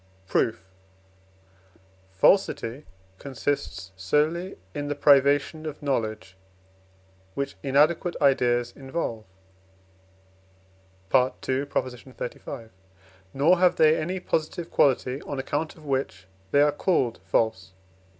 Proof. Falsity consists solely in the privation of knowledge which inadequate ideas involve (II. xxxv.), nor have they any positive quality on account of which they are called false (II.